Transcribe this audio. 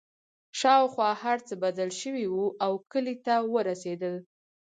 شاوخوا هرڅه بدل شوي وو او کلي ته ورسېدل